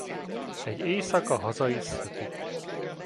Egy éjszaka haza is szökik.